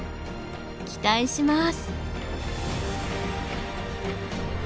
期待します！